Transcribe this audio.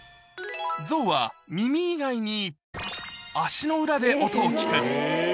ゾウは耳以外に足の裏で音を聞く。